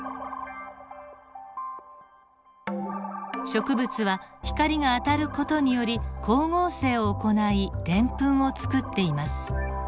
植物は光が当たる事により光合成を行いデンプンをつくっています。